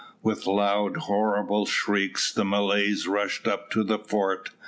With loud, horrible shrieks, the Malays rushed up to the fort.